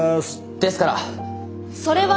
ですからそれは。